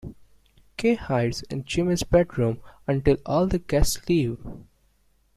Kay hides in Jimmy's bedroom until all the guests leave.